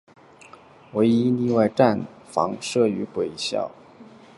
唯一例外是站房设于轨道下方之北湖车站。